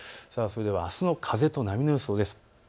あすの風と波の予想です。